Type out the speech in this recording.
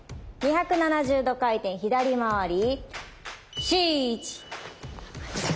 ２７０度回転左回り。